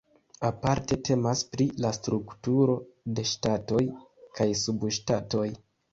Aparte temas pri la strukturo de ŝtatoj kaj subŝtatoj.